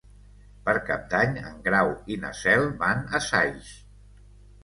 Per Cap d'Any en Grau i na Cel van a Saix.